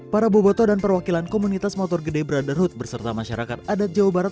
para boboto dan perwakilan komunitas motor gede brotherhood berserta masyarakat adat jawa barat